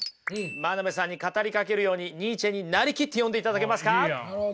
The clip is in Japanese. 真鍋さんに語りかけるようにニーチェに成りきって読んでいただけますか。